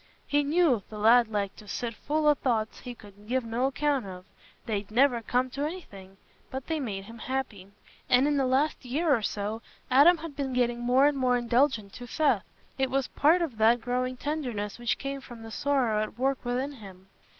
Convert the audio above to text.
He knew "th' lad liked to sit full o' thoughts he could give no account of; they'd never come t' anything, but they made him happy," and in the last year or so, Adam had been getting more and more indulgent to Seth. It was part of that growing tenderness which came from the sorrow at work within him.